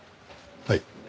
はい？